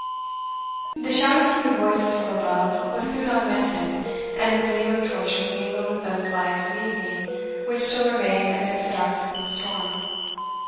The shout of human voices from above was soon augmented, and the gleam of torches mingled with those lights of evening which still remained amidst the darkness of the storm.